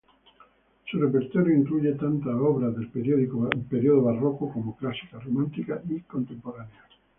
Su repertorio incluye tanto obras del periodo barroco como clásicas, románticas y contemporáneas.